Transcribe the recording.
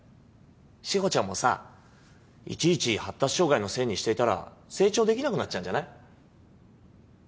志保ちゃんもさいちいち発達障害のせいにしていたら成長できなくなっちゃうんじゃない？